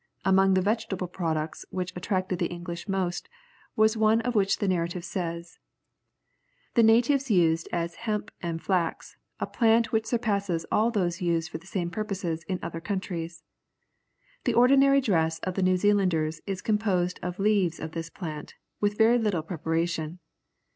Among the vegetable products which attracted the English most, was one of which the narrative says, "The natives used as hemp and flax, a plant which surpasses all those used for the same purposes in other countries. The ordinary dress of the New Zealanders is composed of leaves of this plant, with very little preparation.